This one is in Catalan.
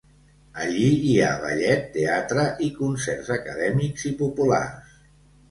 Allí hi ha ballet, teatre i concerts acadèmics i populars.